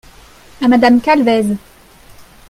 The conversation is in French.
à Madame Calvez.